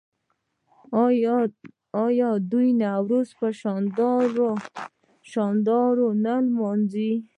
آیا دوی نوروز په شاندارۍ نه لمانځي؟